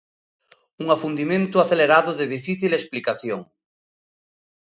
Un afundimento acelerado de difícil explicación.